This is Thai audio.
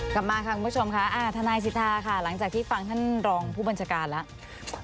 กลับมาค่ะคุณผู้ชมค่ะทนายสิทธาค่ะหลังจากที่ฟังท่านรองผู้บัญชาการแล้ว